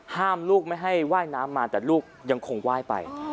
ลูกไม่ให้ว่ายน้ำมาแต่ลูกยังคงไหว้ไป